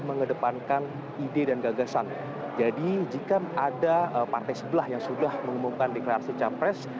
mengedepankan ide dan gagasan jadi jika ada partai sebelah yang sudah mengumumkan deklarasi capres